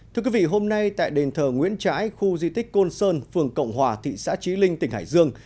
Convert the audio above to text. thưa quý vị hôm nay tại đền thờ nguyễn trãi khu di tích côn sơn phường cộng hòa thị xã trí linh tỉnh hải dương